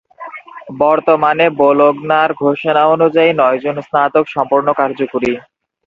বর্তমানে বোলোগনার ঘোষণা অনুযায়ী নয়জন স্নাতক সম্পূর্ণ কার্যকরী।